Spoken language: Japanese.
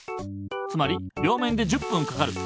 つまり両面で１０ぷんかかる。